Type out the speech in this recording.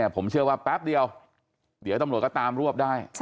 ผมเชื่อว่าแป๊บเดียวเดี๋ยวตำรวจก็ตามรวบได้